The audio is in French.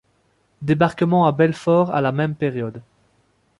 Débarquement à Belfort à la même période.